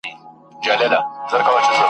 دوست ته حال وایه دښمن ته لاپي ..